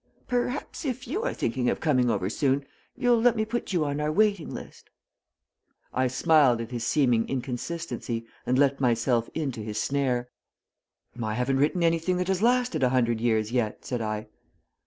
Perhaps, if you are thinking of coming over soon, you'll let me put you on our waiting list?" I smiled at his seeming inconsistency and let myself into his snare. "I haven't written anything that has lasted a hundred years yet," said I.